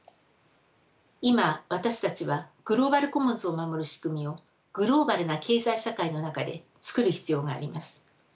今私たちはグローバル・コモンズを守る仕組みをグローバルな経済社会の中で作る必要があります。